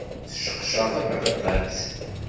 Tesseqcer tabaṭaṭat.